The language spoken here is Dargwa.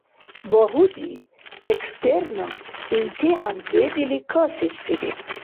Багьуди, экстерно имтихӀян дедили, касибсири.